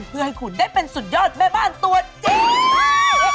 เพื่อให้คุณได้เป็นสุดยอดแม่บ้านตัวจริง